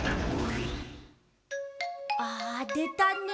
あでたねえ。